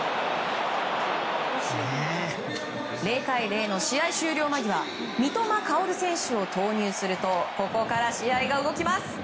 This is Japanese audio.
０対０の試合終了間際三笘薫選手を投入するとここから試合が動きます。